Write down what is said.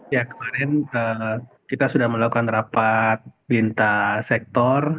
ya kemarin kita sudah melakukan rapat binta sektor